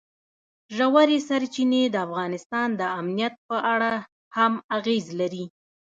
ژورې سرچینې د افغانستان د امنیت په اړه هم اغېز لري.